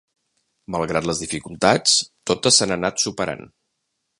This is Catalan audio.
Malgrat les dificultats, totes s’han anat superant.